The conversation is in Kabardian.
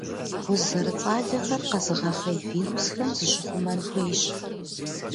Уз зэрыцӏалэхэр къэзыгъэхъей вирусхэм зыщыхъумэн хуейщ.